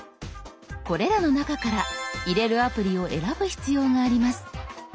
これらの中から入れるアプリを選ぶ必要があります。